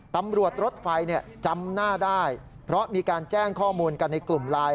ตำรวจรถไฟจำหน้าได้เพราะมีการแจ้งข้อมูลกันในกลุ่มไลน์